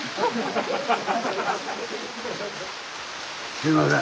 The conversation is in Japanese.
すいません。